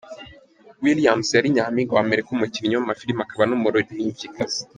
Williams, yari nyampinga wa Amerika, umukinnyi w’amafilime akaba n’umuririmbyikazi.